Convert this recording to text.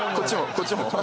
こっちも？